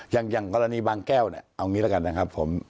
อย่างกรณีบางแก้วเนี่ยเอางี้แล้วกันนะครับผม